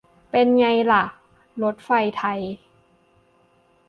เป็นไงล่ะ รถไฟไทย